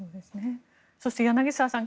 そして柳澤さん